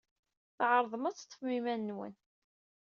Tɛerḍem ad teḍḍfem iman-nwen.